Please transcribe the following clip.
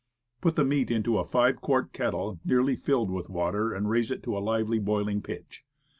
Put the meat into a five quart kettle nearly filled with water, and raise it to a lively boiling pitch.